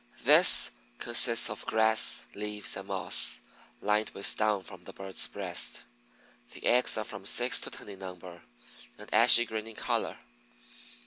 This consists of grass, leaves, and moss, lined with down from the bird's breast. The eggs are from six to ten in number, and ashy green in color.